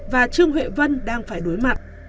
và trương huệ vân đang phải đối mặt